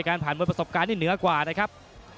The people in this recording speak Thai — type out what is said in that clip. ผ่านมวยประสบการณ์ที่เหนือกว่านะครับ